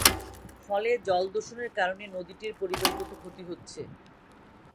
ফলে জল দূষণের কারণে নদীটির পরিবেশগত ক্ষতি হচ্ছে।